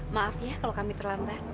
maaf ya kalau kami terlambat